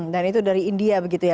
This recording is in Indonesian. dan itu dari india begitu ya